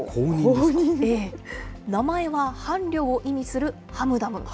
名前は伴侶を意味するハムダム。